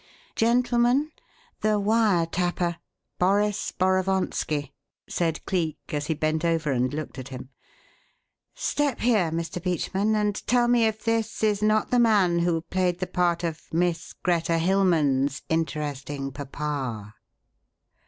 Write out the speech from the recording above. "Gentlemen, the wire tapper Boris Borovonski!" said Cleek, as he bent over and looked at him. "Step here, Mr. Beachman, and tell me if this is not the man who played the part of 'Miss Greta Hilmann's' interesting papa."